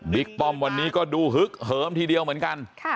ป้อมวันนี้ก็ดูฮึกเหิมทีเดียวเหมือนกัน